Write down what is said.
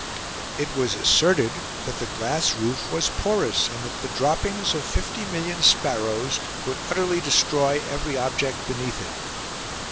It was asserted that the glass roof was porous, and that the droppings of fifty million sparrows would utterly destroy every object beneath it.